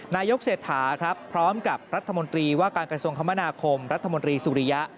นายกเศรษฐาครับพร้อมกับรัฐมนตรีว่าการกระทรวงคมนาคมรัฐมนตรีสุริยะ